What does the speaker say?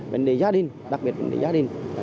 vấn đề gia đình đặc biệt vấn đề gia đình